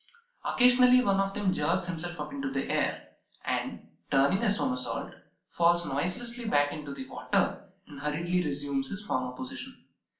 Occasionally one of them jerks himself up into the air, and, turning a somersault, falls noiselessly back into the water and hurriedly resumes his former position.